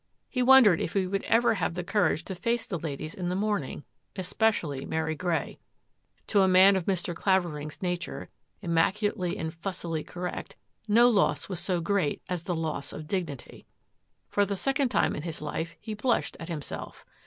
He wondered if he would ever have the courage to face the ladies in the morning, especially Mary Grey. To a man of Mr. Clavering's nature, immaculately and fussily correct, no loss was so great as the loss of dignity. For the second time in his life he blushed at himself.